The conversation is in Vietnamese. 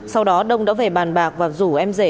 sau đó đông đã về bàn bạc và rủ em rể